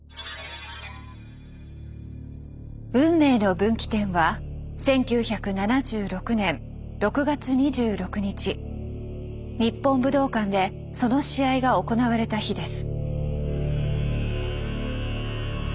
運命の分岐点は日本武道館でその試合が行われた日です。